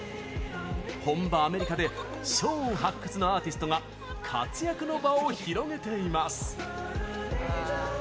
本場アメリカでショーン発掘のアーティストが活躍の場を広げています。